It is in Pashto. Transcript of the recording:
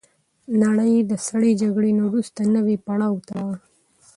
نړۍ د سړې جګړې نه وروسته نوي پړاو ته لاړه.